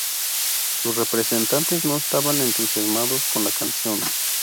Sus representantes no estaban entusiasmados con la canción.